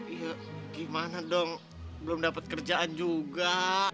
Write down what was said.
iya gimana dong belum dapat kerjaan juga